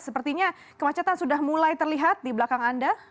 sepertinya kemacetan sudah mulai terlihat di belakang anda